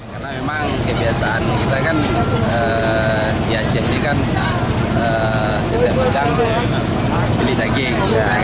karena memang kebiasaan kita kan di aceh ini kan setiap megang beli daging